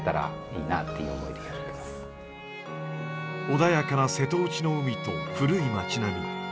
穏やかな瀬戸内の海と古い町並み。